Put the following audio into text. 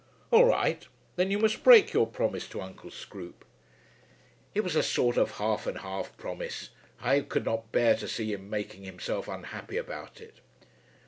"All right. Then you must break your promise to Uncle Scroope." "It was a sort of half and half promise. I could not bear to see him making himself unhappy about it."